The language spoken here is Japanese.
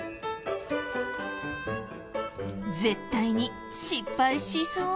絶対に失敗しそう。